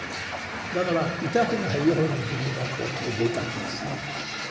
だから痛くないように自分はこう研いでいたというんですね。